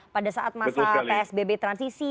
pada saat masa psbb transisi